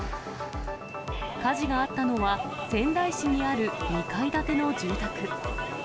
火事があったのは、仙台市にある２階建ての住宅。